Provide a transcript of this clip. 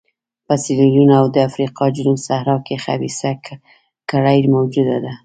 په سیریلیون او د افریقا جنوب صحرا کې خبیثه کړۍ موجوده ده.